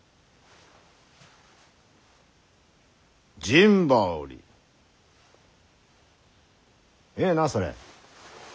陣羽織ええなそれ。